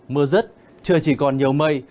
mưa rứt trời chỉ còn nhiều mây